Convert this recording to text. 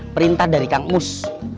perintah dari kang mus